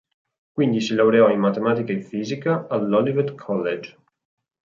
Quindi si laureò in matematica e fisica all'Olivet College.